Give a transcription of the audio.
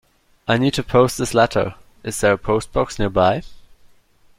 I need to post this letter. Is there a postbox nearby?